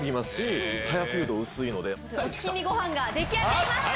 お月見ごはんが出来上がりました。